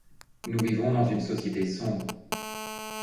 Nous vivons dans une société sombre.